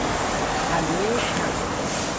هزینهی کم